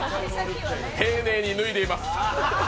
丁寧に脱いでいます。